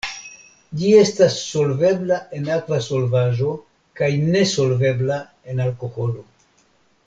Ĝi estas solvebla en akva solvaĵo kaj ne solvebla en alkoholo.